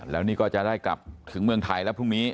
แล้วนี่ก็จะได้กลับถึงเมืองไทยแล้วพรุ่งนี้